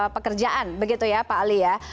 pekerjaan begitu ya pak ali ya